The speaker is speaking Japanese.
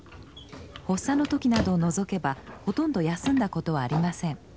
発作の時などを除けばほとんど休んだことはありません。